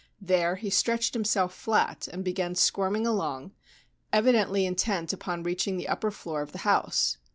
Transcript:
There he stretched himself flat, and began squirming along, evidently intent upon reaching the upper floor of the house.